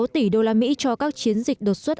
sáu mươi sáu tỷ đô la mỹ cho các chiến dịch đột xuất